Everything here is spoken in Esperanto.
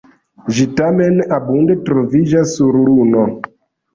Ĝi tamen abunde troviĝas sur Luno.